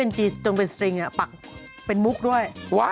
เห็นไหมตรงนี้เป็นเส้นแต่เป็นมุบด้วย